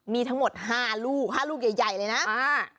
มีทั้งหมด๕ลูกใหญ่เลยนะอ่า